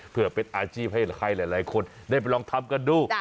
เพื่อเป็นอาชีพให้หลายคนได้ไปลองทำกันดู